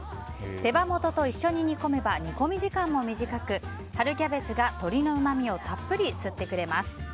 手羽元と一緒に煮込めば煮込み時間も短く春キャベツが鶏のうまみをたっぷり吸ってくれます。